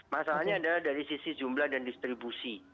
masalahnya adalah dari sisi jumlah dan distribusi